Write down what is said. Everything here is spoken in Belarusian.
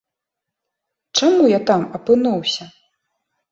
Чаму я там апынуўся?